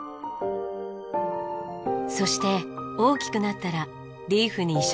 そして大きくなったらリーフに移植するのです。